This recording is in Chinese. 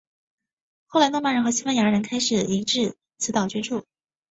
后来诺曼人和西班牙人开始移到此岛居住。